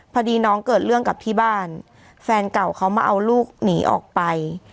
พอดีน้องเกิดเรื่องกับที่บ้านแฟนเก่าเขามาเอาลูกหนีออกไป